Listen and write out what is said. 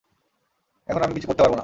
এখন আমি কিছু করতে পারব না।